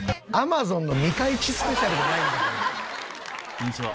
こんにちは。